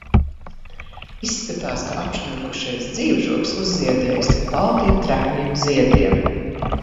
Izskatās, ka apšņurkušais dzīvžogs uzziedējis ar baltiem, trekniem ziediem.